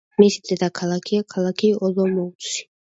მისი დედაქალაქია ქალაქი ოლომოუცი.